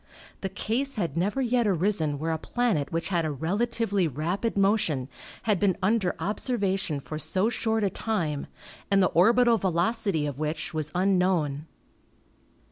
The case had never yet arisen where a planet which had a relatively rapid motion had been under observation for so short a time and the orbital velocity of which was unknown.